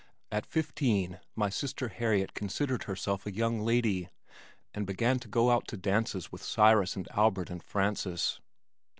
At fifteen my sister Harriet considered herself a young lady and began to go out to dances with Cyrus and Albert and Frances.